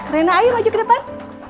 rena ayu maju ke depan